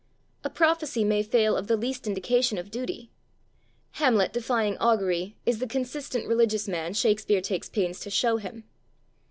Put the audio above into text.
A prophecy may fail of the least indication of duty. Hamlet defying augury is the consistent religious man Shakspere takes pains to show him.